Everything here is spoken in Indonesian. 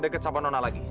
jangan kecap sama nona lagi